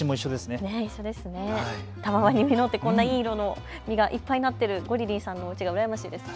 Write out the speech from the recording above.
たわわに実ってこんないい色の実がいっぱいなっているゴリリンさんのおうちがうらやましいです。